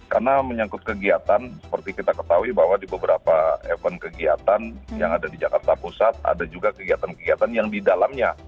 karena menyangkut kegiatan seperti kita ketahui bahwa di beberapa event kegiatan yang ada di jakarta pusat ada juga kegiatan kegiatan yang didalamnya